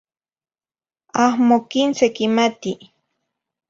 ahmo quin sequimati.